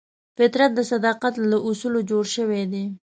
فطرت د صداقت له اصولو جوړ شوی دی.